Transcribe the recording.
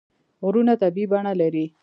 غرونه طبیعي بڼه لري.